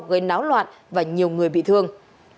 gây náo loạn và nhiều người bị thương